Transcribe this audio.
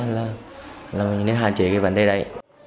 là mình nên hạn chế cái vấn đề đấy